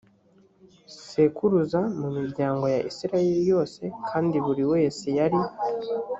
sekuruza mu miryango ya isirayeli yose kandi buri wese yari